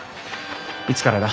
いつからだ？